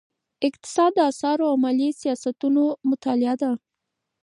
اقتصاد د اسعارو او مالي سیاستونو مطالعه ده.